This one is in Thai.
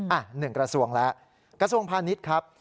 อ้าวหนึ่งกระทรวงแล้วกระทรวงพาณิชย์ครับ